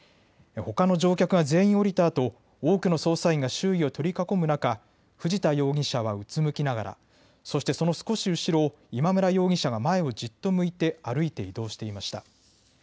ほかの乗客が全員降りたあと多くの捜査員が周囲を取り囲む中、藤田容疑者はうつむきながら、そしてその少し後ろを今村容疑者が前をじっと向いて歩いて移動していました。